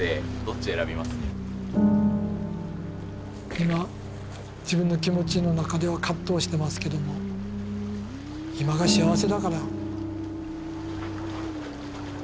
今自分の気持ちの中では葛藤してますけども今が幸せだから。